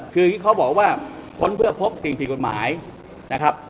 คือที่เขาบอกว่าค้นเพื่อพบสิ่งผิดกฎหมายนะครับ